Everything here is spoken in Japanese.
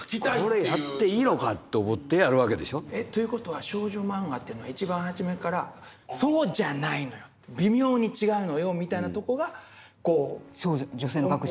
これやっていいのかと思ってやるわけでしょ。という事は少女漫画というのは一番初めからそうじゃないのよ微妙に違うのよみたいなとこが根本にあるんですか？